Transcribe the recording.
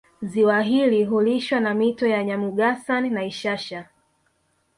Ziwa hili hulishwa na mito ya Nyamugasani na Ishasha